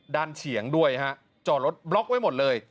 เฉียงด้วยฮะจอดรถบล็อกไว้หมดเลย